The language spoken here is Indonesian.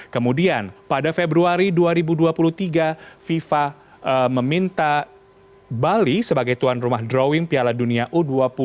kemudian pada februari dua ribu dua puluh tiga fifa meminta bali sebagai tuan rumah drawing piala dunia u dua puluh